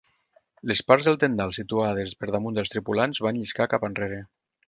Les parts del tendal situades per damunt dels tripulants van lliscar cap enrere.